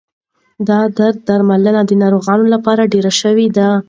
د درد درملنه د ناروغانو لپاره ډېره شوې ده.